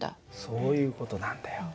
そういう事なんだよ。